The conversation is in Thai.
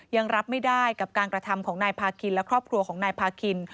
ยังรับไม่ได้กับการกระทำของนายพาคินและครอบครัวของนายพาคิน